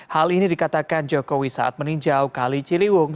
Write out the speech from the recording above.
hal ini dikatakan jokowi saat meninjau kali ciliwung